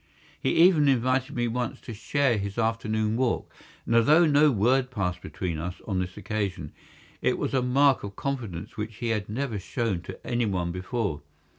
He even invited me once to share his afternoon walk, and although no word passed between us on this occasion, it was a mark of confidence which he had never shown to anyone before.